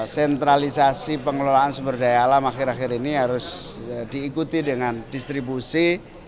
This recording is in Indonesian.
sentralisasi pengelolaan sumber daya alam akhir akhir ini harus diikuti dengan distribusi